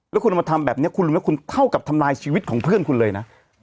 แล้วคุณเอามาทำแบบนี้คุณรู้ไหมคุณเท่ากับทำลายชีวิตของเพื่อนคุณเลยนะ